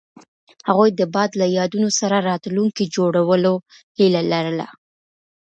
هغوی د باد له یادونو سره راتلونکی جوړولو هیله لرله.